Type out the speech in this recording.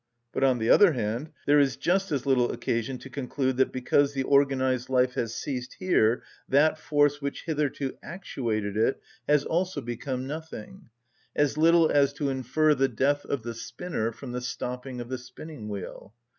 But, on the other hand, there is just as little occasion to conclude that because the organised life has ceased here that force which hitherto actuated it has also become nothing; as little as to infer the death of the spinner from the stopping of the spinning‐wheel.